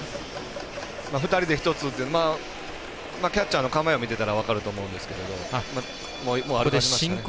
２人で１つというキャッチャーの構えを見てたら分かると思うんですけども。